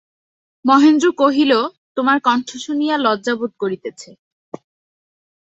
মহেন্দ্র কহিল, তোমার কণ্ঠ শুনিয়া লজ্জাবোধ করিতেছে।